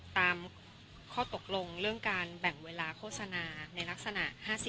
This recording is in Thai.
ตามข้อตกลงเรื่องการแบ่งเวลาโฆษณาในลักษณะ๕๐